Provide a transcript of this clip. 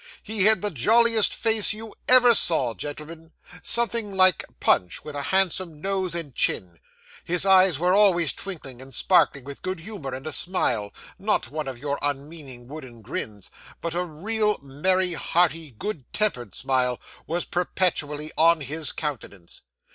He had the jolliest face you ever saw, gentleman: something like Punch, with a handsome nose and chin; his eyes were always twinkling and sparkling with good humour; and a smile not one of your unmeaning wooden grins, but a real, merry, hearty, good tempered smile was perpetually on his countenance.